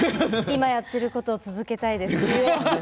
今やってることを続けたいです。